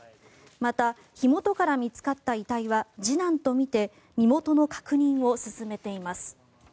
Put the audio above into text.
また、火元から見つかった遺体は次男とみて身元の確認を進めています。